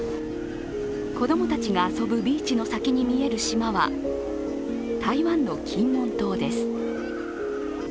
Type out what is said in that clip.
子供たちが遊ぶビーチの先に見える島は、台湾の金門島です。